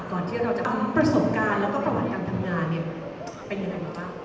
ก่อนที่เราจะเอามประสบการณ์และก็ประวัติการทำงานเป็นอย่างไรบ้าง